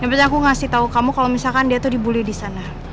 yang penting aku ngasih tau kamu kalo misalkan dia tuh dibully disana